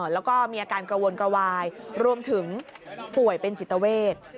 แล้วก็มีอาการกระวนกระวายรวมถึงป่วยเป็นจิตเวท